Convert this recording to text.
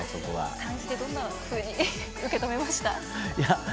感じてどんなふうに受け止めました？